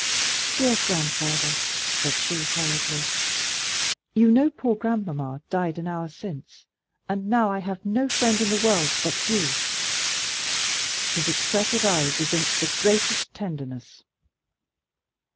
"Dear grandfather." said she hurriedly, "you know poor grandmamma died an hour since, and now I have no friend in the world but you." His expressive eyes evinced the greatest tenderness.